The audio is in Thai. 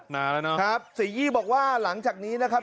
นานแล้วเนาะครับศรียี่บอกว่าหลังจากนี้นะครับ